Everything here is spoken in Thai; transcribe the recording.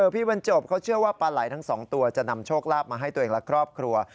บรรจบเขาเชื่อว่าปลาไหลทั้งสองตัวจะนำโชคลาภมาให้ตัวเองและครอบครัว